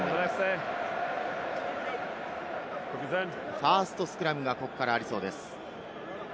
ファーストスクラムがここからありそうです。